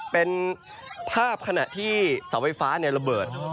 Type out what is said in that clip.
เป็นภาพคราวนึงที่เท่าไหลเองระเบิด